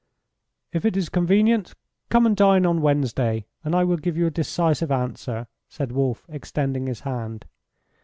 "If it is convenient, come and dine on Wednesday, and I will give you a decisive answer," said Wolf, extending his hand.